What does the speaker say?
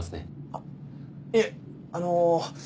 あっいえあの。